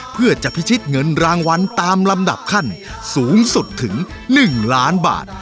เพื่อจะพิชิตเงินรางวัลตามลำดับขั้นสูงสุดถึง๑ล้านบาท